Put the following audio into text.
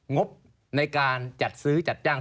งบในการจัดซื้อจัดจ้าง